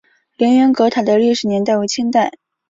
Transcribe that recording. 凌云阁塔的历史年代为清代。